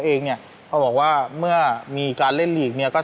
เราไม่มีพวกมันเกี่ยวกับพวกเราแต่เราไม่มีพวกมันเกี่ยวกับพวกเรา